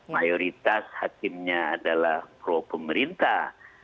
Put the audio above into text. mayoritas hakimnya adalah pro pemerintah